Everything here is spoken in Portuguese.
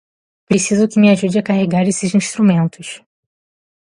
Preciso que me ajude a carregar estes instrumentos.